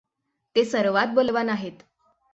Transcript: ते सर्वात बलवान आहेत.